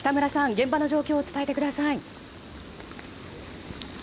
現場の状況を伝えてください。